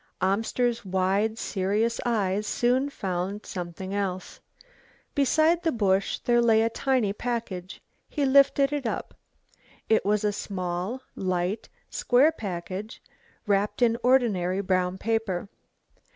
Amster's wide serious eyes soon found something else. Beside the bush there lay a tiny package. He lifted it up. It was a small, light, square package, wrapped in ordinary brown paper.